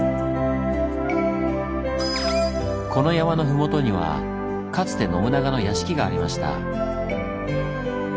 この山の麓にはかつて信長の屋敷がありました。